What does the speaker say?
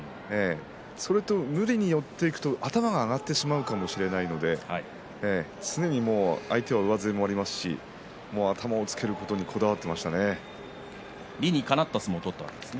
それに無理に寄っていくと頭が上がってしまうかもしれないので常に、相手は上背もありますし頭をつけることにこだわっていましたね。